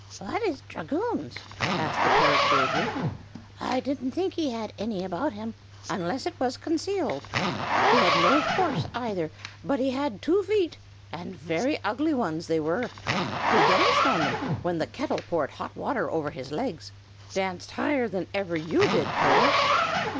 "What is dragoons?" asked the parrot, gravely. "I don't think he had any about him, unless it was concealed. He had no horse, either; but he had two feet, and very ugly ones they were. He danced on them when the kettle poured hot water over his legs, danced higher than ever you did, Toto."